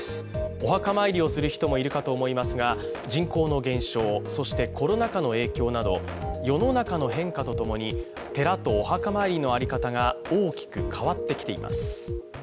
お墓参りをする人もいるかと思いますが人口の減少、そしてコロナ禍の影響など世の中の変化とともに寺とお墓参りの在り方が大きく変わってきています。